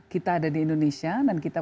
kita ada di indonesia dan kita